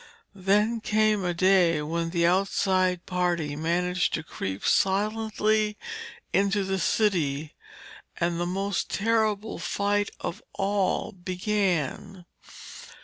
Then came a day when the outside party managed to creep silently into the city, and the most terrible fight of all began.